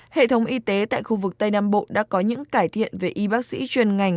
hệ thống y tế tại khu vực tây nam bộ đã có những cải thiện về y bác sĩ chuyên ngành